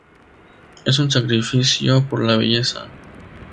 Es un sacrificio por la belleza.